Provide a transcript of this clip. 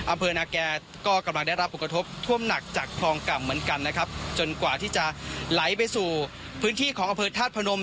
อำเภอนาแก่ก็กำลังได้รับภูเขาทกทบทวมหนักจากครองกรรมเหมือนกันจนกว่าที่จะไหลไปสู่พื้นที่ของทหารพนม